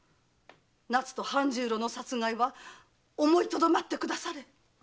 奈津と半十郎の殺害は思いとどまってくだされ！